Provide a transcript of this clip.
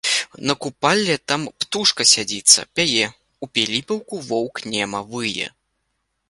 На купалле там птушка садзіцца, пяе, у піліпаўку воўк нема вые.